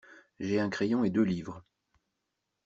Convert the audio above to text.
J’ai un crayon et deux livres.